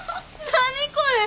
何これ！